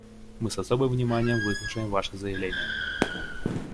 Мы с особым вниманием выслушаем Ваше заявление.